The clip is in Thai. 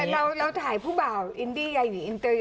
แต่เราถ่ายผู้บ่าวอินดีอย่างงี้